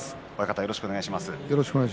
よろしくお願いします。